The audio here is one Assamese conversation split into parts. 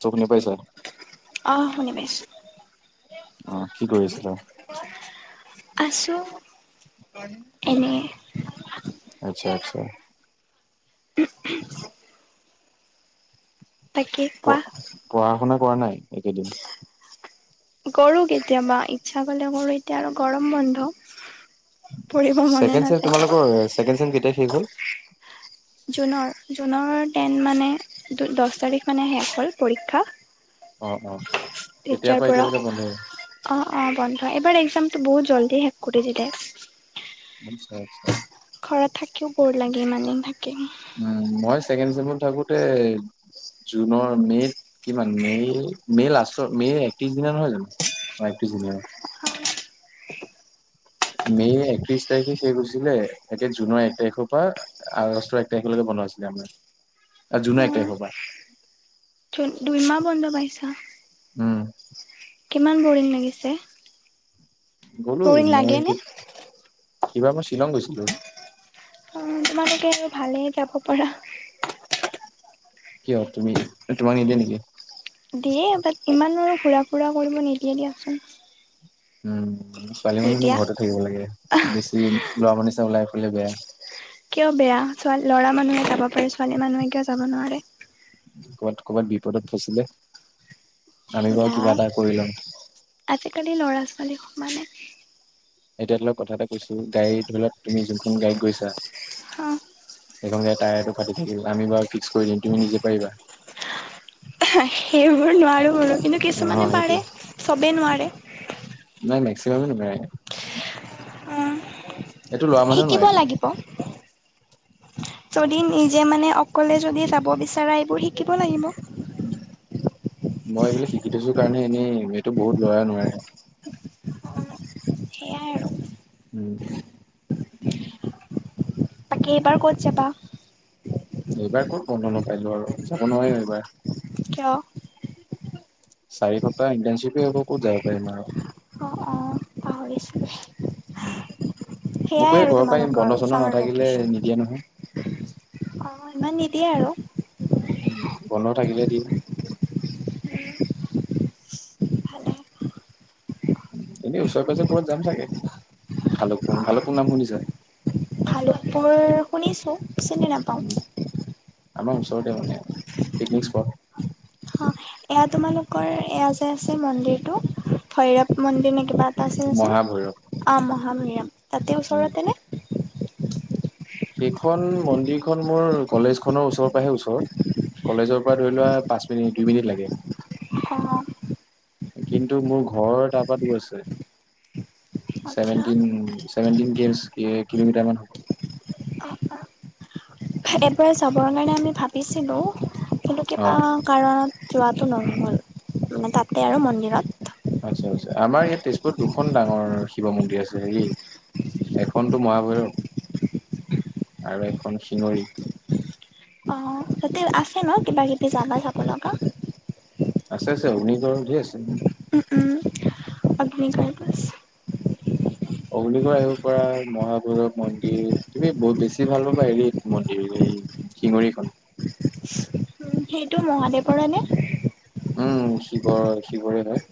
চুখনি পাইছা। শুনিপাইছো। অহ কি কৰি আছিলা। আছোঁ এনে। আচ্ছা, আচ্ছা। [unintelligible] তাকে কোৱা পঢ়া শুনা কৰা নাই একেদিন। কৰো কেতিয়াবা ইচ্ছা কৰিলে কৰো, এতিয়া আৰু গৰম বন্ধ। পঢ়িব মনে ছেকেণ্ড চেম, নাযায় তোমালোকৰ ছেকেণ্ড চেম কেতিয়া শেষ হ'ল। জুনৰ, জুনৰ ট্ৰেন মানে দহ তাৰিখ মানে শেষ হ'ল পৰীক্ষা। অ অ তেতিয়াৰ এতিয়া পৰা এতিয়ালৈকে বন্ধ হৈ অ' অ' বন্ধ এবাৰ এক্সাম বহু জলদি শেষ কৰি দিলে। [unintelligible] আচা ঘৰত থাকিও বৰ লাগে ইমানেই থাকি। উম মই ছেকেণ্ড চেমত থাকোঁতে জুনৰ মে'ত কিমান মে মে'ৰ লাষ্টৰ মেৰ একত্ৰিশ দিনা নহয় জানো? অ' একত্ৰিছ দিনীয়া। মে' একত্ৰিশ তাৰিখে শেষ হৈছিলে, তাকে জুনৰ এক তাৰিখৰ পৰা আগষ্টৰ এক তাৰিখলৈকে বন্ধ দিছিলে আমাৰ জোনাৰ এক অঁ তাৰিখ পৰা। দুইমাহ বন্ধ পাইছা। উম। কিমান বৰিং লাগিছে। গলোঁ বৰিং মই লাগেনে সিবাৰ মই শ্বিলং গৈছিলো। অ' তোমালোকে তেওঁ ভালেই যাব পাৰা। কিয় তুমি মানে নে দিয়ে নেকি। দিয়ে বাট ইমান আৰু ঘুৰা ফুৰা কৰিব নিদিয়ে দিয়াচোন। উম, ছোৱালী মানুহো এনেইও এতিয়া ঘৰতে থাকিব লাগে বেছি। বৰাপানী চাবলৈ এইফালে বেয়া। কিয় বেয়া ছ ল'ৰা মানুহে যাব পাৰে ছোৱালী মানুহে কিয় যাব নোৱাৰে। ক'ৰবাত, ক'ৰবাত বিপদত পৰিলে। আমি বা নাই কিবা এটা কৰিলম। পোৱালী সোমালে নাই। এতিয়া ধৰা লোৱা কথা এটা কৈছো গাড়ী ধৰি লোৱা তুমি যোনখন গাড়ীত গৈছা। অ' এইখনকে টায়াৰটো ফাটি থাকিব আমি বাৰু ফিক্স কৰি দিম তুমি নিজে পাৰিবা। সেইবোৰ নোৱাৰোঁ ব কিন্তু অ' কিছুমানে সেইটোৱে পাৰে চবেই নোৱাৰে নাই মেক্সিকো নোৱাৰে উম, এইটো লোৱা মানুহ শিকিব নহয় এইটো লাগিব যদি নিজে মানে, অকলে যদি যাব বিচৰা এইবোৰ শিকিব লাগিব মই এইবিলাক শিকি থৈছো, কাৰণে এনেই সটো বহুত লৰা নোৱাৰে সেয়াই আৰু উম, তাকে এইবাৰ ক'ত যাবা? এইবাৰ ক'ত বন্ধ নাপালো, আৰু যাব নোৱাৰি এইবাৰ কিয়? চাৰি হপ্তাহ ইণ্টনশিপ হব ক'ত যাৱ পাৰি অঁ অঁ আৰু সেয়াই মোকো এ ঘৰৰ পৰা তোমালোকৰ বন্ধ চন্ধ নাথাকিলে নিদিয়ে নহয় অ', মান নিদিয়ে আৰু উম, বন্ধ থাকিলে দি ভালে এনে, উওচৰ পাজাৰ ক'বত যাম চাগে ভালকপুং, ভালোকপুং নাম শুনিছা? বোৰ শুনিছো, চিনি নাপাওঁ উম, আমাৰ ওচৰতে মানে পিকনিক স্পট অ এয়া, তোমালোকৰ এয়া যে আছে মন্দিৰটো ভৈৰৱ মন্দিৰ নে কিবা আচেচোন মহাভৈৰৱ অ', মহাভৈৰৱ তাতে উম। ওচৰতেনে সেইখন মন্দিৰখন মোৰ কলেজ খনৰ ওচৰৰ পৰাহে ওচৰত কলেজৰ পৰা ধৰি লোৱা পাঁচ মিনিট দুই মিনিট লাগে। অ', কিন্তু, মোৰ ঘৰৰ তাৰপৰা দূৰ আছে আচ্ছা ছেভেনটিন [unintelligible] কিলোমিটাৰ মান হ অ', অ', এইবৰে যাবৰ কাৰণে আমি ভাবিছিলো। কিন্তু কিবা অ', কাৰণত যোৱাটো নহগ'ল মানে, তাতে আৰু মন্দিৰত আচ্ছা-আচ্ছা আমাৰ ইয়াত তেজপুৰত দুখন ডাঙৰ শিৱ মন্দিৰ আছে হেৰি এখনতো মহাভৈৰৱ আৰু এখন চিঙৰি অ আছে ন কিবা কিবি যাগা চাবা আছে-আছে অগ্নিগড় ঢেৰ আছে। উ, উম আগ্নি [unintelligible] আছে অগ্নীগড় আহিব পৰা মহাভৈৰৱ মন্দিৰ তুমি বহুত বেছি ভাল পাবা এৰি মন্দিৰ শিঙৰিখন উম সেইটো মহাদেৱৰেনে উম, শিৱৰ শিৱৰে হয়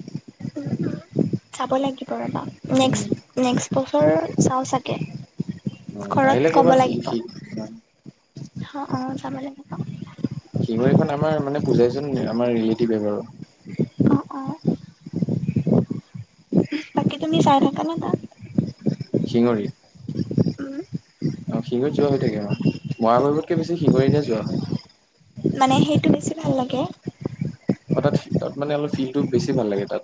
যাৱ লাগিব ৰবা উম নেক্স বছৰ চাওঁ চাগে উম ঘৰত আহিলে ক'ব কবা শি লাগিব শি উ অ', অ', যাৱলাগিৱ শিগৰিখন আমাৰ মানে পূজাইচোন আমাৰ ৰিলেটিভে বাৰু অ অ বাকী তুমি চাই থকা ন তাত চিঙৰি উম অ, শিঙীত যোৱা হৈ থাকে বা মহাভৈৰৱতকে বেছি শিঙৰ এতিয়া যোৱা হয়। মানে সেইটো বেছি ভাল লাগে। অ, তাত মানে অলপ ফিল্ডটো বেছি ভাল লাগে তাত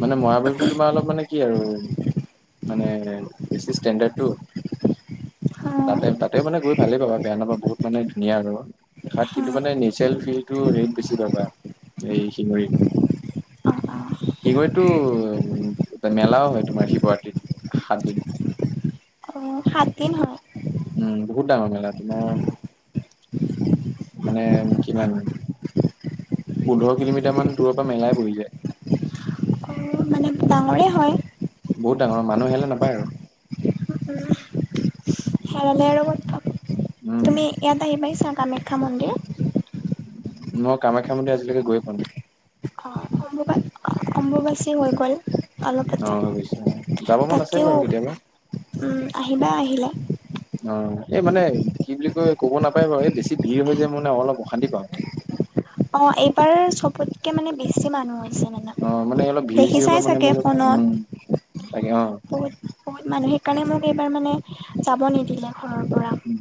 মানে, মৰা বিাৰুতো তোমাৰ অলপ মানে কি আৰু মানে বেছি ষ্টেণ্ডাৰ্ডটো অ অ তাতে তাতে মানে গৈ ভালেই পাবা বেয়া নাপা বহুত মানে ধুনীয়া আৰু দেখাঁত। অ কিন্তু মানে নেচাৰেল ফিলটো ত', বেছি পাবা এই শিঙুৰী শিঙৰিততো উ [unintelligible] মেলাও হয় তোমাৰ শিৱৰাত্ৰিত। সাতদিন [inaudible] অ সাতদিন হয়। উম, বহুত ডাঙৰ মেলা তোমাৰ মানে কিমান [unintelligible] পোন্ধৰ কিলোমিটাৰ মান দূৰ পা মেলাই বহি যায়। অ মানে ডাঙৰে হয় বহুত ডাঙৰ মানুহ হেৰালে নাপায় আৰু উম, হেৰালে আৰু। উম তুমি ইয়াত আহি পাইছা কামাখ্যা মন্দিৰ? মই কামাখ্যা মন্দিৰ আজিলৈকে গৈয়ে পোৱা নাই। অ অম্বুবা অ- অম্বুবাচী হৈ গ'ল। অ', অলপতে [unintelligible] যাব মন আছে তাতেও বাৰু, কেতিয়াবা। উম, আহিবা আহিলে। অ এই মানে, কি বুলি কয় ক'ব নাপাই বাৰু এই বেছি ভিৰ হৈ যে মানে অলপ অশান্তি পাওঁ। অ এইবাৰ চবতকে মানে বেছি মানুহ হয়। অ', মানে অলপ ভিৰ চিৰ পৰা মানে মোৰ অলপ ফোনত উম তাকে অ বহুত বহুত মানুহ সেইকাৰণে মোক এইবাৰ মানে যাব নিদিলে। ঘৰৰ পৰা উ,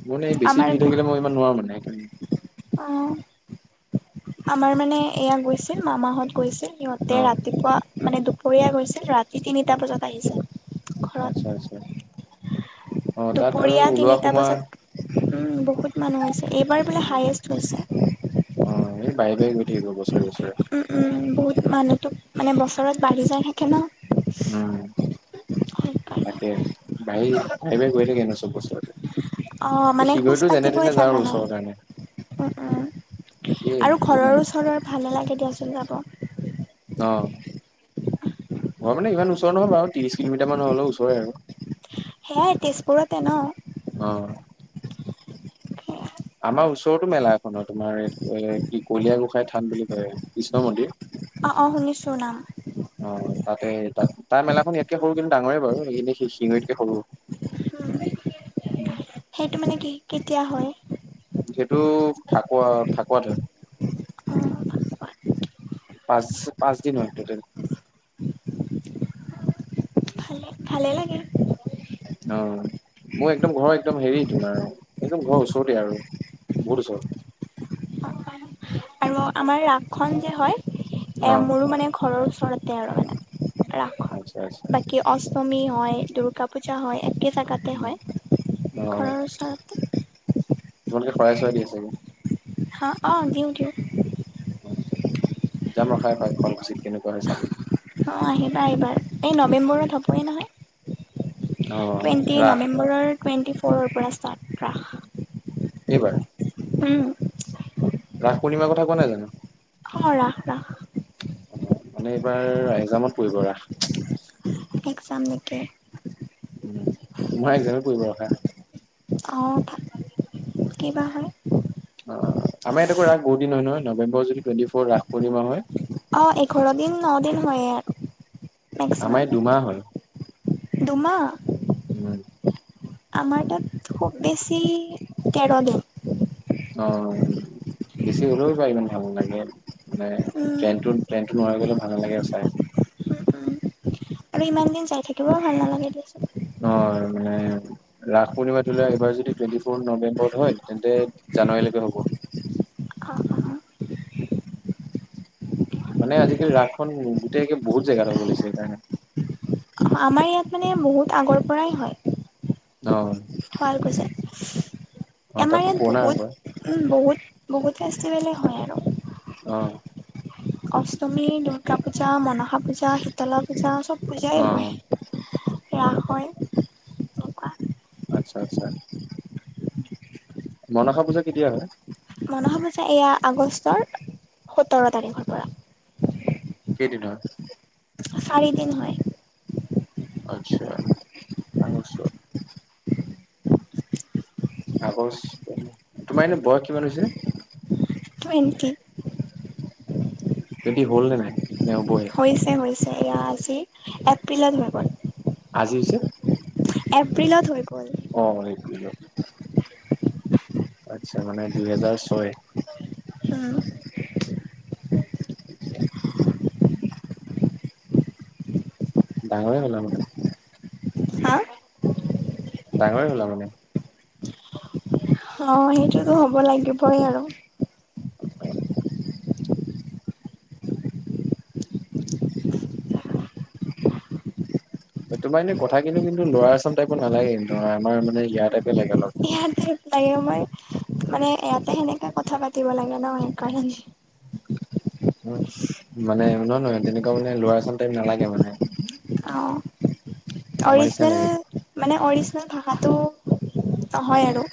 [unintelligible] নে বেছি আমাৰ ভিৰ থাকিলে মই ইমান নোৱাৰোঁ মানে সেইকাৰণে অ', আমাৰ মানে এয়া গৈছিল মামাহঁত গৈছিল। সিহঁতে অ', ৰাতিপুৱা মানে দুপৰীয়া গৈছিল ৰাতি তিনিটা বজাত আহিছিল। আচ্ছা আচ্ছা। অ', তাত আৰু দুপৰীয়া ওলোৱা তিনিটা সোমোৱা বজাত উম, বহুত মানুহ হৈছে। এইবাৰ বোলে হায়েষ্ট হৈছে। বাহি বাহি গৈ থাকিব বস উম, উম বহুত মানুহ তোক মানে বছৰত বাঢ়ি যায় থাকে ন। উম, সেইকাৰণে তাকে বাঢ়ি- বাঢ়ি বাঢ়ি গৈ থাকে ন চব বস্তু। অ', মানে খোজ পাতিবই আৰু জাগা নাই ওচৰৰ কাৰণে। উম, উম। একেই আৰু বহুত ঘৰৰ মানে ওচৰৰ ভাল নালাগে দিয়াচোন যাব। অ'। ঘৰ মানে ইমান ওচৰ নহয় বাৰু ত্ৰিশ কিলোমিটাৰ মান হলেওঁ ওচৰে আৰু। সেয়াই তেজপুৰতে ন। অ'। আমাৰ ওচৰতো মেলা এখন হয় তোমাৰ এই এ' কি কলিয়া গোসাঁই থান বুলি কয়। কৃষ্ণঁ মন্দিৰ অ' অ', শুনিছোঁ নাম। অ', তাতে তা- তাৰ মেলাখন ইয়াতকে সৰু কিন্তু ডাঙৰেই বাৰু হেয়ি ইনে শি- শিঙঁৰিতকে সৰু। উম। সেইটো মানে কি, কেতিয়া হয়? সেইটো ফাঁকুৱা ফাঁকুৱাত হয়। অ', পাঁচ পাঁচ দিন হয় টোটেল। ভালে ভালে লাগে। অ', মোৰ একদম ঘৰ একদম হেৰি তোমাৰ, একদম ঘৰ ওচৰতে আৰু। বহুত ওচৰত। অ' আমাৰ ৰাসখন যে হয় এ' অ মোৰোঁ মানে ঘৰৰ ওচৰতে আৰু মানে ৰাসখন। আচ্ছা আচ্ছা বাকী অচ টমী হয়, দুৰ্গা পূজা হয় একে জেগাতে উম, হয়, অ ঘৰৰ ওচৰতে। তোমালোকে শঁৰাই চৰাই দিয়া চাগে? হ অ' দিওঁ দিওঁ। যাম খাই পাই খুৱোৱাকুচিত কেনেকুৱা হয় চাবলৈ। অ' আহিবা আহিবাৰ এই নৱেম্বৰত হ'বই নহয়। অ টুৱেণ্টি ৰাস নৱেম্বৰৰ টুৱেণ্টি ফ'ৰৰ পৰা ষ্টাৰ্ ৰাস। এইবাৰে? উম। ৰাস পূৰ্ণিমাৰ কথা কোৱা নাই জানো? অঁ', ৰাখ ৰাখ। অ' মানে এইবাৰ এ্জামত পৰিব ৰাস। একগ্জামলৈকে। উম, তোমাৰ এক্জামে পৰি ৰখা। অ' তাত কিবা হয়। অ', আমাৰ ইয়াতেকৌ ৰাস বহুিন হয় নহয় নৱেম্বৰ যদি টুৱেণ্টি ফৰ ৰাস পূৰ্ণিা হয়। অ' এঘৰ দিন ন দিন হয় ইয়াত। আমাৰ দুমাহ হয়। দুমাহ? উম। আমাৰ তাত খুব বেছি তেৰ দিন। অ'। বেছি হলেও বা ইমান ভাল নালাগে মানে উম, ট্ৰেইনতটো ট্ৰেইনতটো নোৱাৰি গলেও ভাল নালাগে চাই। উম, উম [unintelligible] আৰু ইমান দিন যাই থাকিবও ভাল নালাগে দে অ' মানে ৰাস পূৰ্ণিমা ধৰি লোৱা এইবাৰ যদি টুৱেণ্টি ফ'ৰ নৱেম্বৰত হয় তেন্তে জানুৱাৰীলৈকে হ'ব। অ'। মানে আজিকালি ৰাসখন গোটেইকে বহুত জেগাত হ'ব লৈছে সেইকাৰণে। আমাৰ ইয়াত মানে বহুত আগৰ পৰাই হয়। অ'। শুৱালকুচি অ', আমাৰ তাততো ইয়াত পুৰণা ৰাস হয়। বহুত বহুত বহুত ফেষ্টিভেলে হয় আৰু। অ', অষ্টমী, দুূৰ্গা পূজা, মনসা পূজা, শীতলা পূজা, চব পূজাই হয় অ', ৰাস মনসা হয়। পূজা এনেকুৱা। আচ্ছা আচ্ছা মনাসা পূজা কেতিয়া হয়? মনসা পূজা এয়া আগষ্টৰ সোতৰ তাৰিখৰ পৰা। কেইদিন হয়? চাৰিদিন হয়। আচ্ছা। আগষ্ট তোমাৰ এনে বয়স কিমান হৈছে? টুৱেণ্টি। টুৱেণ্টি হ'ল নে নাই? নে হ'বহে? হৈছে হৈছে এয়া আজি এপ্ৰিলত হৈ গ'ল। আজি হৈছে? এপ্ৰিলত হৈ গ'ল। অ' এইটো। আচ্ছা মানে দুইহেজাৰ ছয়। উম,। আচছা। ডাঙৰ এ হ'লা মানে। হা ডাঙৰ এ হ'লা মানে। অ' সেইটোতো হ'ব লাগিবই আৰু। তোমাৰ এনেই কথা কিন্তু কিন্তু ল'ৱাৰ আচম টাইপৰ নালাগে কিন্তু আমাৰ মানে ইয়াৰ টাইপৰ লাগে অলপ। [unintelligible] মানে ইয়াতে সেনেকাে কথা পাতিব লাগে ন সেইকাৰণে [inaudible] উম, মানে নহয় নহয় তেনেকুৱা মানে লৱাৰ আচাম টাইপ নালাগে মানে। অ আমাৰ নিচিনা লাগে অৰিজিনেল মানে অৰিজিনেল ভাষাটো নহয় আৰু।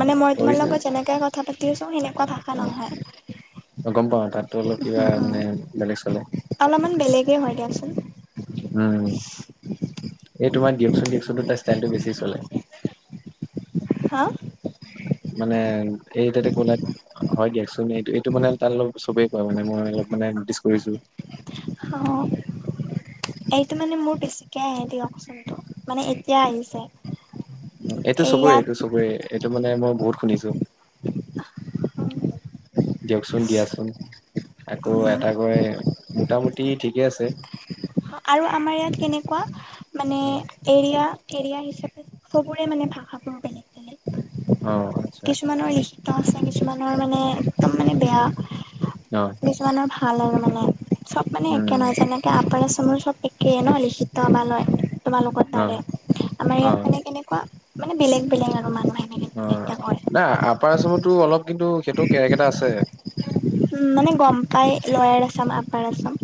মানে মই তোমাৰ অৰিজিনেল লগত যেনেকে কথা পাতি আছোঁ সেনেকুৱা ভাষা নহয়। অ', গম পাওঁ তাতটো অলপ কিবা উম মানে উম বেলেগ চলে। অলপমান বেলেগেই হয় দিয়কচোন। উম। এই তোমাৰ দিয়কচোন দিয়কচোনটো তাৰ ষ্টাইলটো বেছি চলে। হা? মানে এই তাতে কলা হয় দিয়কচোন এইটো এইটো মানে তাত অলপ চবেই কয় মানে মই অলপ মানে নটিচ কৰিছো। অ'। এইটো মানে মোৰ বেছিকে আহে দিয়কচোনটো মানে এতিয়া আহিছে। এইটো এই চবৰে ইয়াত এইটো চবৰে এইটো মানে মই বহুত শুনিছো। দিয়কচোন দিয়াচোন। আকৌ উম এটা কয় মোটামুটি ঠিকে আছে। আৰু আমাৰ ইয়াত কেনেকুৱা মানে এৰিয়া এৰিয়া হিচাপে চবৰে মানে ভাষাবোৰ বেলেগ বেলেগ। অ', আচছা। কিছুমানৰ লিখিত আছে কিছুমানৰ মানে একদম মানে বেয়া। অ কিছুমানৰ ভাল ভাল আৰু মানে চব মানে একে উম নহয় যেনেকে আপৰ আচামৰ মোৰ চব একেই ন লিখিত বালয় তোমালোকৰ অ তাৰে আমাৰ অ ইয়াত মানে কেনেকুৱা মানে বেলেগ বেলেগ আৰু মানু অ', নাই আপাৰ আচামতটো অলপ কিন্তু সেইটো কেৰক এটা আছে। মানে গম পায় লয়াৰ আচাম আপাৰ আচাম।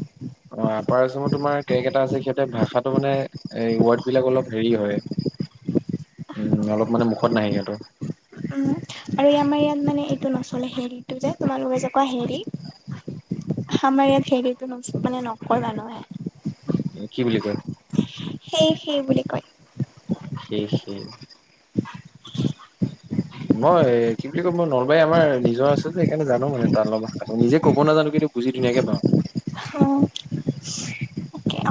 অ', আপাৰাসামত তোমাৰ ক্ৰেক এটা আছে সিহঁতে ভাষাটো মানে এই ৱৰ্ডবিলাক অলপ হেৰি হয়। উম, অলপ মানে মুখত নাহে সিহঁতৰ। উম আৰু আমাৰ ইয়াত মানে এইটো ন'চলে হেৰিটো যে তোমালোকে যে কোৱা হেৰি। আমাৰ ইয়াত হেৰিতো মানে নকয় মানুহে। কি বুলি কয়? সেই সেই বুলি কয়। সেই সেই। মই কি বুলি কম মই নলবাৰী আমাৰ নিজৰ আছে যে সেইকাৰণে জানো মানে তাৰ অলপ ভাষাটো। নিজে ক'ব নাজানো কিন্তু বুজি ধুনীয়াকে পাওঁ। খাওঁ।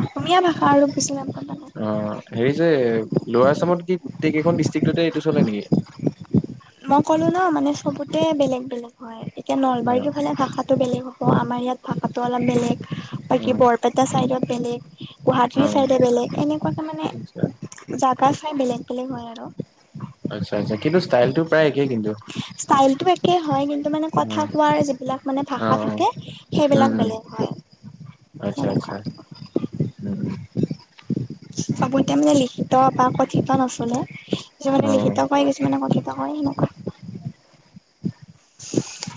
অসমীয়া ভাষা আৰু কিছুমান। অ হেৰি যে লৱাৰ আছামত কি গোটেই কেইখন ডিষ্ট্ৰিকতে এইটো চলে নেকি? মই ক'লো ন মানে চবতে বেলেগ বেলেগ হয় এতিয়া অ নলবাৰীটো ফালে ভাষাটো বেলেগ হয়। আমাৰ ইয়াত ভাষাটো অলপ বেলেগ অ বাকী বৰপেটা ছাইডত বেলেগ। গুৱাহাটীৰ অ', ছাইডে বেলেগ এনেকুৱাকৈ মানে আচ্ছা, জাগা চাই বেলেগ বেলেগ হয় আৰু। আচ্ছা আচ্ছা কিন্তু ষ্টাইলতটো প্ৰায় একেই কিন্তু। ষ্টাইলটো একেই হয় কিন্তু মানে কথা অ', কোৱাৰ যিবিলাক মানে অ', ভাষা অ', থাকে উম, সেইবিলাক উম, বেলেগ। [inaudible] আচ্ছা তেনেকুৱা আচ্ছা উম। চব এতিয়া মানে লিখিত বা কথিত নচলে কিছুমানে অ'। লিখিত কই কিছুমানে কথিত। নহয় হেনেকুৱা। [inaudible]